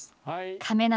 亀梨